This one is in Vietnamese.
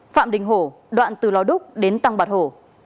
phạm đình hổ đoạn từ lò đúc đến tăng bạc hổ